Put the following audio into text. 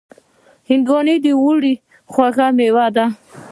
هندوانه د اوړي خوږ مېوه ده.